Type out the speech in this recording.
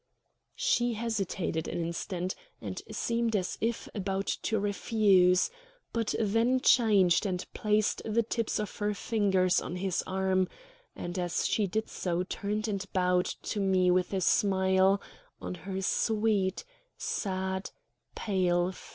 She hesitated an instant, and seemed as if about to refuse; but then changed and placed the tips of her fingers on his arm, and as she did so turned and bowed to me with a smile on her sweet, sad, pale face.